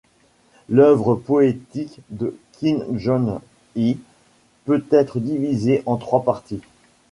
L'œuvre poétique de Kim Jong-hae peut être divisée en trois parties.